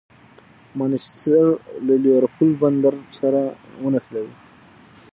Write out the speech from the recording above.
مانچسټر له لېورپول بندر سره ونښلوي.